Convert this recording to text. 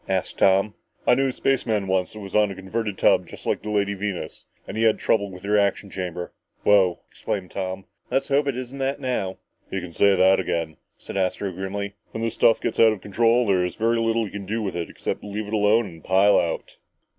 asked Tom. "I knew a spaceman once that was on a converted tub just like the Lady Venus and he had trouble with the reaction chamber." "Wow!" exclaimed Tom. "Let's hope it isn't that now!" "You can say that again," said Astro grimly. "When this stuff gets out of control, there's very little you can do with it, except leave it alone and pile out!"